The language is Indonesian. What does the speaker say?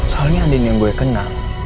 soalnya ada yang gue kenal